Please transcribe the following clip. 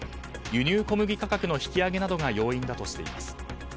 輸入小麦価格の引き上げなどが要因だとしています。